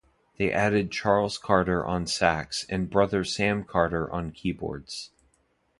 They added Charles Carter on sax and brother Sam Carter on keyboards.